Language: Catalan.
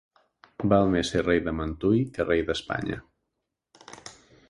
Val més ser rei de Mentui que rei d'Espanya.